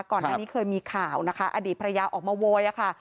ก่อนหน้านี้เคยมีข่าวนะคะอดีตภรรยาออกมาโวยอะค่ะ